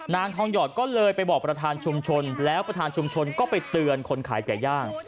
นางทองหยอดก็เลยไปบอกประธานชุมชนแล้วประธานชุมชนก็ไปเตือนคนขายไก่ย่าง